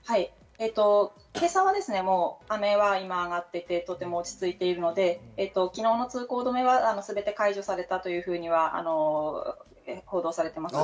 今朝は雨は今上がっていて、とても落ち着いているので、昨日の通行止めはすべて解除されたというふうには報道されています。